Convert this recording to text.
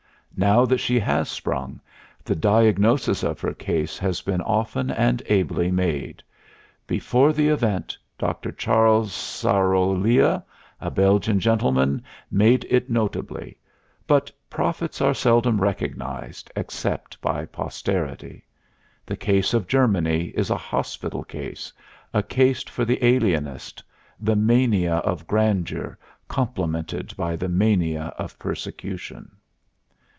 Now that she has sprung, the diagnosis of her case has been often and ably made before the event, Dr. Charles Sarolea, a Belgian gentleman, made it notably; but prophets are seldom recognized except by posterity. The case of Germany is a hospital case, a case for the alienist; the mania of grandeur, complemented by the mania of persecution.